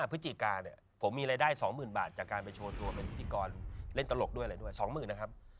เรามีละครเล่นเรามีรายการ